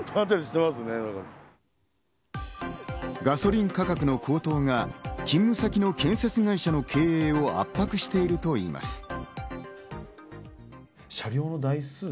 ガソリン価格の高騰が勤務先の建設会社の経営を圧迫しているといいます。